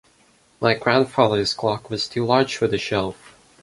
My grandfather's clock was too large for the shelf.